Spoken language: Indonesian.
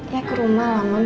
ya ke rumah lah